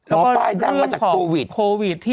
แล้วก็ลองไปดังมาจากโควิด